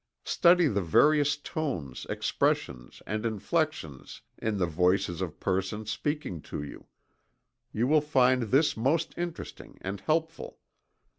Study the various tones, expressions and inflections in the voices of persons speaking to you you will find this most interesting and helpful.